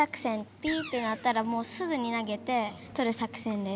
ピーって鳴ったらもうすぐに投げてとる作戦です。